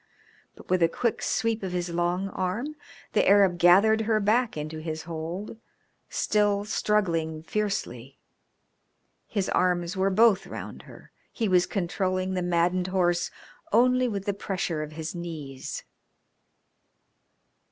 But with a quick sweep of his long arm the Arab gathered her back into his hold, still struggling fiercely. His arms were both round her; he was controlling the maddened horse only with the pressure of his knees.